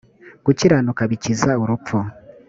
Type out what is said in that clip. gukiranuka bikiza urupfu